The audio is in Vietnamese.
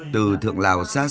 từ thượng lào xa xa